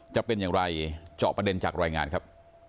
จะเป็นอย่างไรเจาะประเด็นจากรายงานครับ